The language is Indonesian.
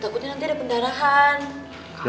golongan darahku kok